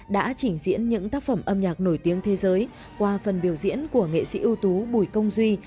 đã trình diễn những tác phẩm âm nhạc nổi tiếng thế giới qua phần biểu diễn của nghệ sĩ ưu tú bùi công duy